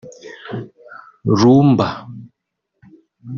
Rumba